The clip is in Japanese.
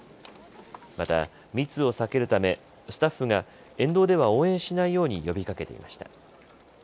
また密を避けるためスタッフが沿道では応援しないように呼びかけていました。